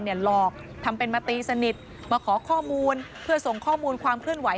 หลอกทำเป็นมาตีสนิทมาขอข้อมูลเพื่อส่งข้อมูลความเคลื่อนไห